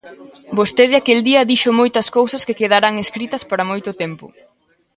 Vostede aquel día dixo moitas cousas que quedarán escritas para moito tempo.